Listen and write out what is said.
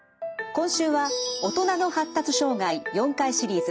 今週は「大人の発達障害」４回シリーズ。